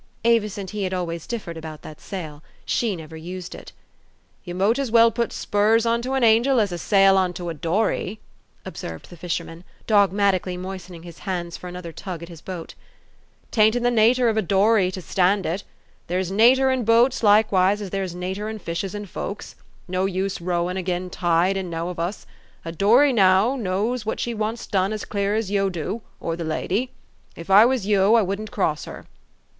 Avis and he had always differed about that sail : she never used it. " You mought as well put spurs onto an angel as a sail onto a dory," observed the fisherman, dogmat ically moistening his hands for another tug at his boat. ;' 'Tain't in the natur' of a dory to stand it : there's natur' in boats likewise as there's natur' in fishes and folks. No use rowin' agin tide in none of us. A dory, now, knows what she wants done as clear as yeou do, or the lady. Ef I was yeou, I wouldn't cross her."